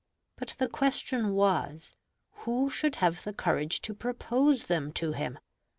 But the question was, who should have the courage to propose them to him?